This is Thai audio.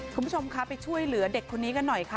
คุณผู้ชมคะไปช่วยเหลือเด็กคนนี้กันหน่อยค่ะ